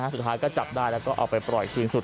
สุดท้ายก็จับได้แล้วก็เอาไปปล่อยคืนสุด